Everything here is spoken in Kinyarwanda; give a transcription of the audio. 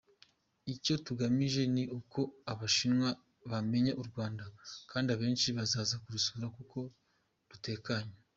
Icyo tugamije ni uko Abashinwa bamenya u Rwanda kandi abenshi bazaza kurusura kuko rutekanye.